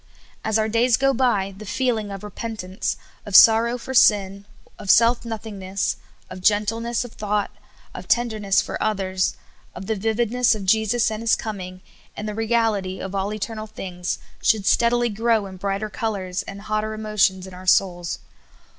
As our days go b3% the feeling of repentance, of sorrow for sin, of self nothingness, of gentleness of thought, of tenderness for others, of the vividnCvSs of Jesus and His coming, and the reality of all eternal things, should steadily grow in brighter colors and hot ter emotions in our souls.